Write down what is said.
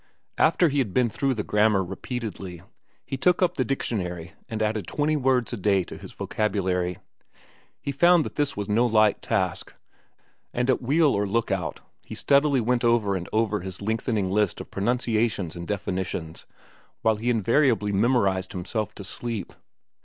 After he had been through the grammar repeatedly, he took up the dictionary and added twenty words a day to his vocabulary. He found that this was no light task, and at wheel or lookout he steadily went over and over his lengthening list of pronunciations and definitions, while he invariably memorized himself to sleep.